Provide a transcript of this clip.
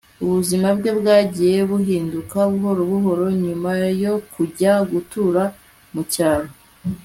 Ubuzima bwe bwagiye buhinduka buhoro buhoro nyuma yo kujya gutura mu cyaro